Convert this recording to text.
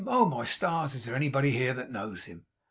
Oh, my stars, is there anybody here that knows him?